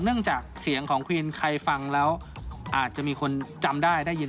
จากเสียงของควีนใครฟังแล้วอาจจะมีคนจำได้ได้ยิน